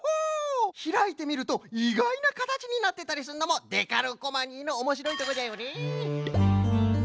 ひらいてみるといがいなかたちになってたりするのもデカルコマニーのおもしろいとこじゃよね。